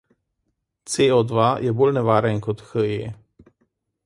C O dva je bolj nevaren kot He.